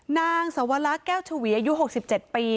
นางสวรรค์แก้วชวีอายุหกสิบเจ็ดปี